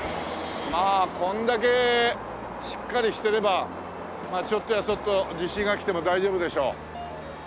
ああこれだけしっかりしてればちょっとやそっと地震がきても大丈夫でしょう。